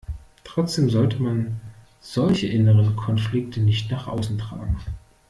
Trotzdem sollte man solche inneren Konflikte nicht nach außen tragen.